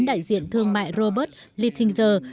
đại diện thương mại robert liethinger